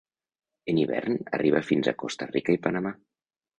En hivern arriba fins a Costa Rica i Panamà.